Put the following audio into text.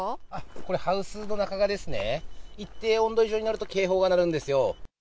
これ、ハウスの中がですね、一定温度以上になると警報が鳴るんですよ。